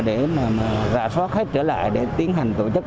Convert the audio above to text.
để mà ra soát khách trở lại để tiến hành tổ chức